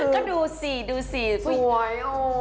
ก็ดูสิสวย